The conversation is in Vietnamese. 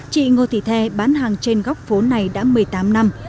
chị ngô thị the bán hàng trên góc phố này đã một mươi tám năm